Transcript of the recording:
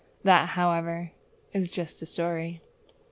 That, however, is just a story!